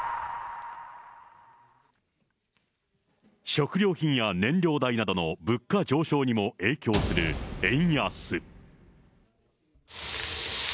食料品や燃料代などの物価上昇にも影響する円安。